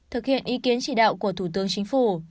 thực hiện ý kiến chỉ đạo của thủ tướng chính phủ